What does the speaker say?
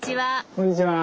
こんにちは。